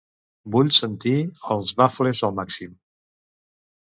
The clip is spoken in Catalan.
Vull sentir els bafles al màxim.